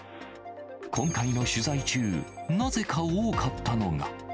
今回の取材中、なぜか多かったのが。